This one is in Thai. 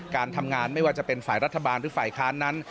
การทำงานไม่ว่าจะเป็นฝ่ายรัฐบาลหรือฝ่ายค้านนั้น